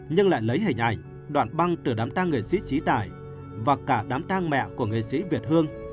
nhưng lại lấy hình ảnh đoạn băng từ đám tang nghệ sĩ trí tài và cả đám tang mẹ của nghệ sĩ việt hương